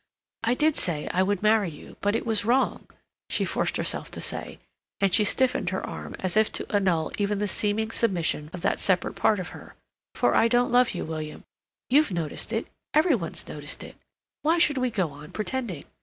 "I did say I would marry you, but it was wrong," she forced herself to say, and she stiffened her arm as if to annul even the seeming submission of that separate part of her; "for I don't love you, William; you've noticed it, every one's noticed it; why should we go on pretending?